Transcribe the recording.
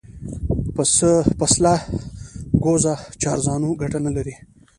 پسله گوزه چارزانو گټه نه لري.